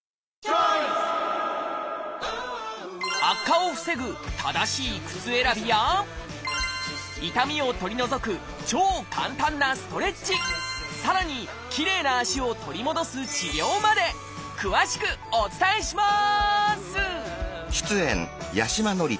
悪化を防ぐ正しい靴選びや痛みを取り除く超簡単なストレッチさらにきれいな足を取り戻す治療まで詳しくお伝えします！